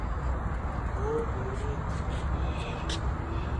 ہو گھوڑے تی اَسے